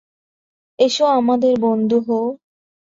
এসো, আমাদের বন্ধু হও।